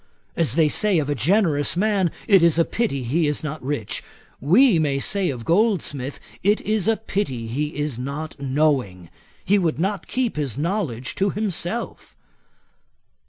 As they say of a generous man, it is a pity he is not rich, we may say of Goldsmith, it is a pity he is not knowing. He would not keep his knowledge to himself.'